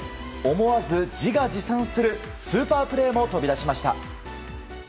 思わず自画自賛するスーパープレーも飛び出しました。